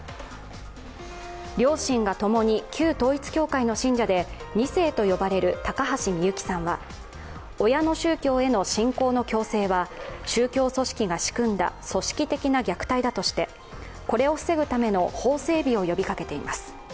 両親が共に旧統一教会の信者で２世と呼ばれる高橋みゆきさんは親の宗教への信仰の強制は宗教組織が仕組んだ組織的な虐待だとして、これを防ぐための法整備を呼びかけています。